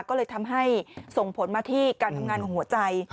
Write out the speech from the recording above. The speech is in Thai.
ก็เลยทำให้ส่งผลมาที่การทำงานของหัวใจ